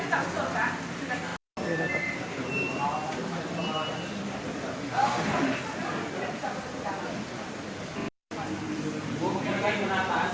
wassalamualaikum warahmatullahi wabarakatuh